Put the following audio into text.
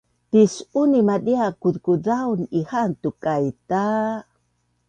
Tis’uni madia kuzkuzaun ihaan tukai ta